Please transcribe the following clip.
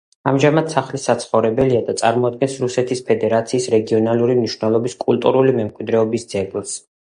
ამჟამად სახლი საცხოვრებელია და წარმოადგენს რუსეთის ფედერაციის რეგიონალური მნიშვნელობის კულტურული მემკვიდრეობის ძეგლს.